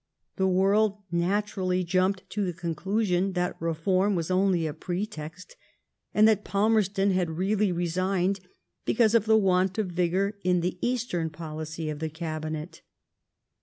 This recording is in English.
The world naturally jumped to the conclusion that iBeform was only a pretext, and that Palmerston had jreally resigned because of the want of vigour in the (Eastern policy of the Cabinet.